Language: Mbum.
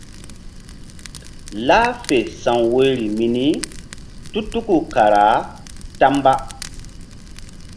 Lah fe sa̧w woyri mini tu tuku kara ta mba.